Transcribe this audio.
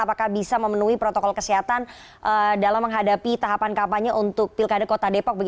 apakah bisa memenuhi protokol kesehatan dalam menghadapi tahapan kampanye untuk pilkada kota depok